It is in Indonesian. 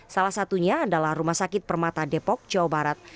salah satunya adalah rumah sakit permata depok jawa barat